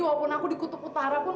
walaupun aku di kutub utara pun